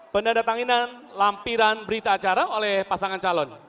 penandatanganinan lampiran berita acara oleh pasangan calon